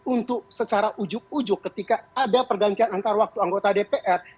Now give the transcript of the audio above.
untuk secara ujuk ujuk ketika ada pergantian antar waktu anggota dpr